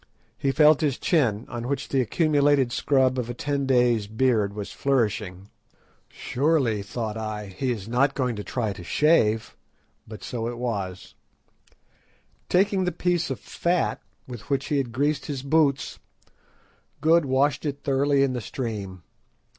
He felt his chin, on which the accumulated scrub of a ten days' beard was flourishing. "Surely," thought I, "he is not going to try to shave." But so it was. Taking the piece of fat with which he had greased his boots, Good washed it thoroughly in the stream.